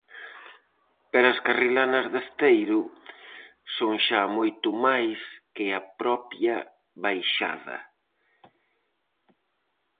Pero as carrilanas de Esteiro son xa moito máis que a propia baixada.